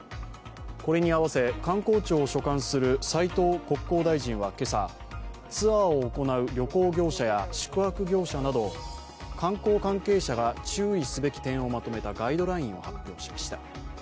これに合わせ、環境庁を所管する斉藤国交大臣は今朝ツアーを行う旅行業者や宿泊業者など観光関係者が注意すべき点をまとめたガイドラインを発表しました。